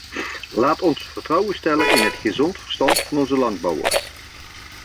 Laat ons vertrouwen stellen in het gezond verstand van onze landbouwers.